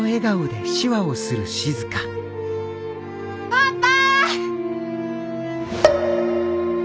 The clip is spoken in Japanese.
パパ！